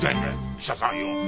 記者さんよ。